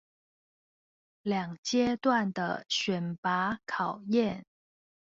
兩階段的選拔考驗